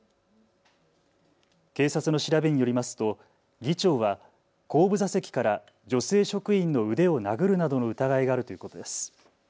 警察の調べによりますと議長は後部座席から女性職員の腕を殴るなどの疑いがあるということです。